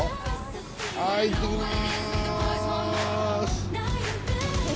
はい行ってきます。